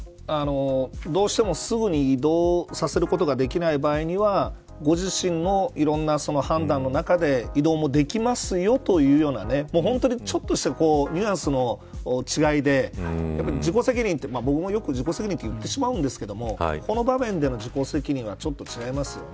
どうしてもすぐに移動させることができない場合にはご自身のいろんな判断の中で移動もできますよというような本当に、ちょっとしたニュアンスの違いで自己責任って僕もよく言ってしまうんですけどこの場面での自己責任はちょっと違いますよね。